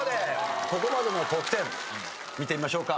ここまでの得点見てみましょうか。